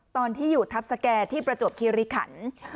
ตอนที่อยู่ทัพสแก่ที่ประจวบคิริขัน